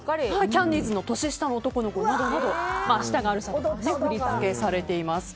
キャンディーズの「年下の男の子」や「明日があるさ」とか振り付けされています。